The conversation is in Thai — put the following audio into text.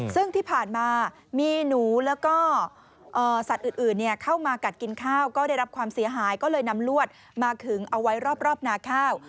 ซึ่งที่ผ่านมามีหนูแล้วก็สัตว์อื่นเข้ามากัดกินข้าวก็ได้รับความเสียหายก็เลยนำลวดมาขึงเอาไว้รอบนาข้าว